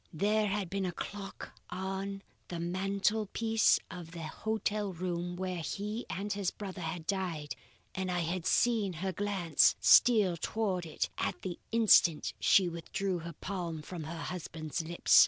There had been a clock on the mantelpiece of the hotel room where he and his brother had died and I had seen her glance steal towards it at the instant she withdrew her palm from her husband's lips.